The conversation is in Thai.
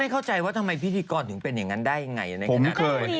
แต่เขาแบบสงบสติก็ต้องดีมาก